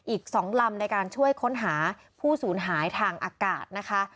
อีก๒ลำในการช่วยค้นหาผู้สูญหายทางอากาศนะคะ